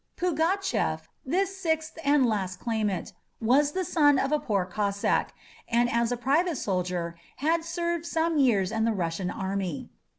Pugatchef, this sixth and last claimant, was the son of a poor Cossack, and as a private soldier had served some years in the Russian army.